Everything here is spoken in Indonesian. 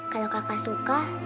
kalau kakak suka